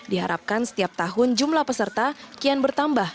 diharapkan setiap tahun jumlah peserta kian bertambah